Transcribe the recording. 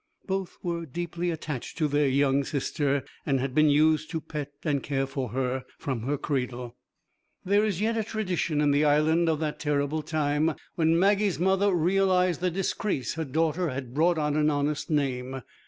Both were deeply attached to their young sister, and had been used to pet and care for her from her cradle. There is yet a tradition in the island of that terrible time when Maggie's mother realised the disgrace her daughter had brought on an honest name.